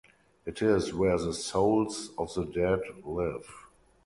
It is where the souls of the dead live.